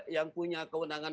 yang punya kewenangan